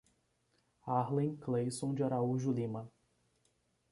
Arlen Cleisson de Araújo Lima